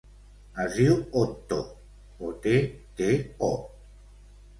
Es diu Otto: o, te, te, o.